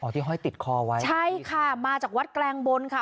ที่ห้อยติดคอไว้ใช่ค่ะมาจากวัดแกลงบนค่ะ